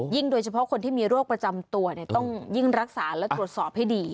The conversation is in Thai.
โดยเฉพาะคนที่มีโรคประจำตัวต้องยิ่งรักษาและตรวจสอบให้ดี